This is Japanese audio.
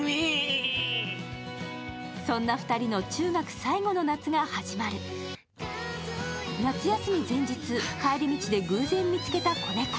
そんな２人の中学最後の夏が始まる夏休み前日、帰り道で偶然見つけた子猫。